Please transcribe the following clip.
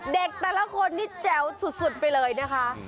แต่ละคนนี้แจ๋วสุดไปเลยนะคะ